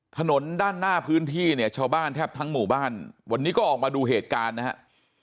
ถนนด้านหน้าพื้นที่เนี่ยชาวบ้านแทบทั้งหมู่บ้านวันนี้ก็ออกมาดูเหตุการณ์นะครับ